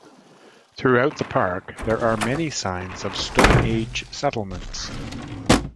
Throughout the park there are many signs of Stone Age settlements.